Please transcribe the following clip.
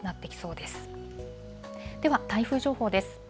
では、台風情報です。